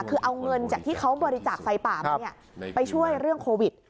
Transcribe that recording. คือเอาเงินจากที่เขาบริจาคไฟป่ามาไปช่วยเรื่องโควิด